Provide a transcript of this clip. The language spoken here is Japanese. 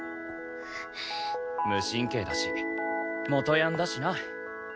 無神経だし元ヤンだしな。